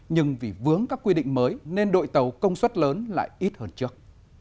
nhưng vì vướng các quy định mới nên đội tàu công suất lớn lại ít hơn trước